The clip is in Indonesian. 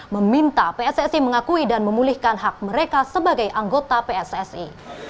meminta pssi mengakui dan memulihkan hak mereka sebagai anggota pssi